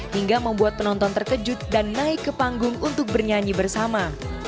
hingga membuat penonton terkejut dan naik ke panggung untuk bernyanyi bersama